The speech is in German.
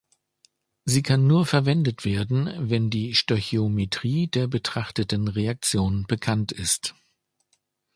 Sie kann nur verwendet werden, wenn die Stöchiometrie der betrachteten Reaktion bekannt ist.